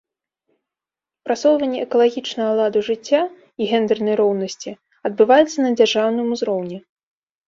Прасоўванне экалагічнага ладу жыцця і гендэрнай роўнасці адбываецца на дзяржаўным узроўні.